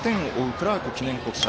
クラーク記念国際。